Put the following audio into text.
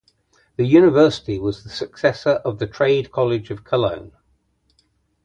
The university was the successor of the Trade College of Cologne.